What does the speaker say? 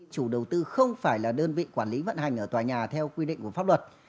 chủ đầu tư không phải là đơn vị quản lý vận hành ở tòa nhà theo quy định của pháp luật